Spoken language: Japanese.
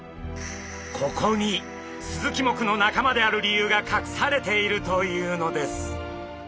ここにスズキ目の仲間である理由がかくされているというのです。